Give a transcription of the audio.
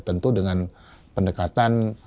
tentu dengan pendekatan